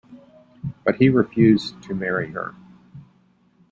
But he refused to marry her.